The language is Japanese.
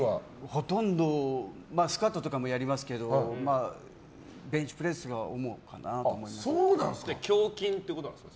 ほとんどスクワットとかもやりますけど、ベンチプレスが胸筋ということですか。